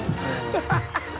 ハハハ